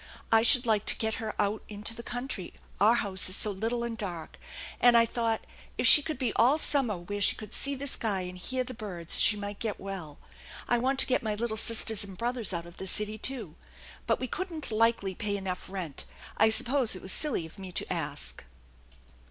I should like to get her out into the country, our house is so little and dark ; and I thought, if she could be all summer where she could see the sky and hear the birds, she might get well. I want to get my little sisters and brothers out of the city, too. But we couldn't likely pay enough rent. I suppose it was silly of me to ask."